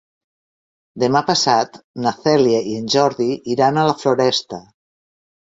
Demà passat na Cèlia i en Jordi iran a la Floresta.